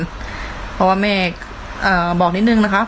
เพราะว่าแม่บอกนิดนึงนะคะ